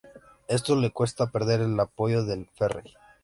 Esto le cuesta perder el apoyo de los Frey.